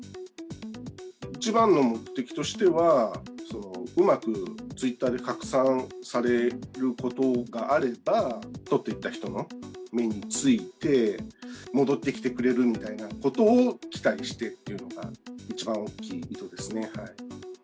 一番の目的としては、うまくツイッターで拡散されることがあれば、とっていった人の目について、戻ってきてくれるみたいなことを期待してっていうのが一番大きい糸ですね。